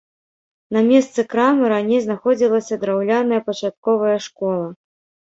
На месцы крамы раней знаходзілася драўляная пачатковая школа.